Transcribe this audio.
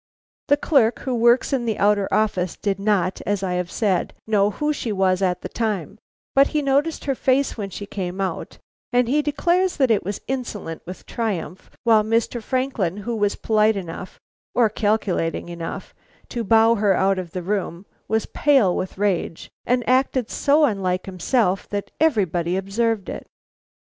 The clerk who works in the outer office did not, as I have said, know who she was at the time, but he noticed her face when she came out, and he declares that it was insolent with triumph, while Mr. Franklin, who was polite enough or calculating enough to bow her out of the room, was pale with rage, and acted so unlike himself that everybody observed it.